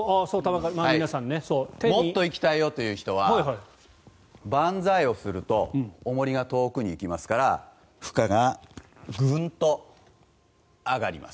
もっと行きたいよという人は万歳をするとおもりが遠くに行きますから負荷がグンと上がります。